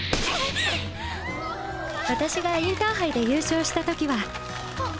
私がインターハイで優勝した時はクソッ！